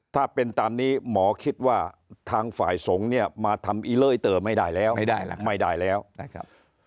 ถ้าเป็นตามนี้หมอคิดว่าทางฝ่ายสงฆ์เนี่ยมาทำอีเล่เตอร์ไม่ได้แล้วไม่ได้แล้วนะครับ